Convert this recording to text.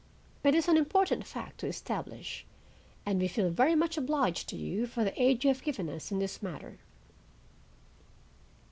It is an important fact to establish, and we feel very much obliged to you for the aid you have given us in this matter."